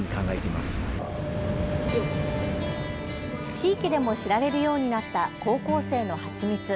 地域でも知られるようになった高校生の蜂蜜。